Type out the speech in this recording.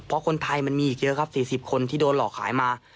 เพราะคนไทยมันมีอีกเยอะครับ๔๐คนที่โดนหลอกขายมา